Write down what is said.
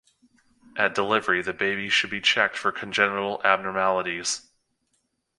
At delivery the baby should be checked for congenital abnormalities.